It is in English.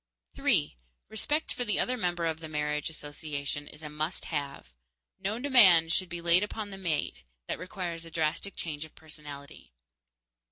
_3. Respect for the other member of the marriage association is a must have. No demand should be laid upon the mate that requires a drastic change of personality.